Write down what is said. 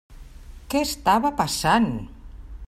Què estava passant?